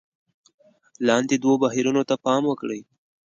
لاندې دوو بهیرونو ته پام وکړئ: